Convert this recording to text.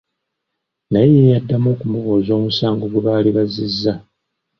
Naye ye yaddamu okumubuuza omusango gwe baali bazzizza.